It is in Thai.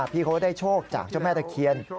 พี่เขาก็ได้โชคจากเจ้าแม่ตะเคียน